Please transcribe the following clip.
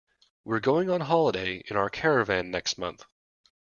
We're going on holiday in our caravan next month